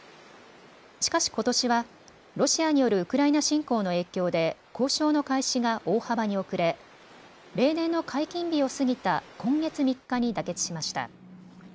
しかし、ことしはロシアによるウクライナ侵攻の影響で交渉の開始が大幅に遅れ例年の解禁日を過ぎた今月３日に妥結しました。